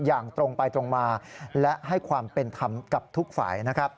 อย่างตรงไปตรงมาและให้ความเป็นธรรมกับทุกฝ่ายนะครับ